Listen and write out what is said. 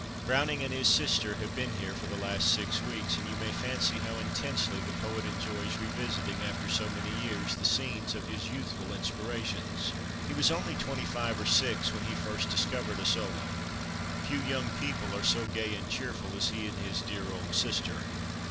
"Browning and his sister have been here for the last six weeks, and you may fancy how intensely the poet enjoys revisiting after so many years the scenes of his youthful inspirations. He was only twenty five or six when he first discovered Asolo.... Few young people are so gay and cheerful as he and his dear old sister."....